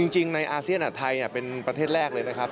ในอาเซียนไทยเป็นประเทศแรกเลยนะครับ